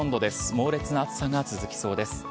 猛烈な暑さが続きそうです。